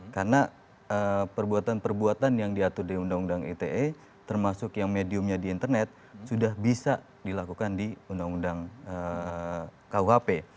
karena perbuatan perbuatan yang diatur di undang undang ite termasuk yang mediumnya di internet sudah bisa dilakukan di undang undang kuhp